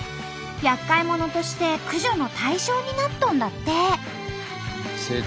やっかい者として駆除の対象になっとんだって！